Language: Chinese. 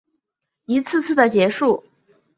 一次次的结束